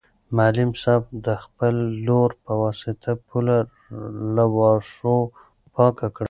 معلم صاحب د خپل لور په واسطه پوله له واښو پاکه کړه.